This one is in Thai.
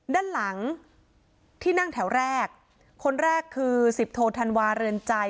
ด้านหลังที่นั่งแถวแรกคนแรกคือสิบโทธันวาเรือนใจ